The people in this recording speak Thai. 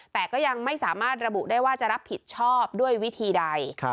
แต่ก็ยังไม่สามารถระบุได้ว่าจะรับผิดชอบด้วยวิธีใด